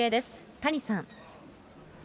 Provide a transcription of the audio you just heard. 谷さん。